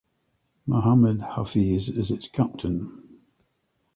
Mohammad Hafeez is its captain.